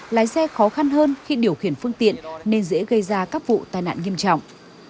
lái xe khó khăn hơn khi điều khiển phương tiện nên dễ gây ra các vụ tai nạn nghiêm trọng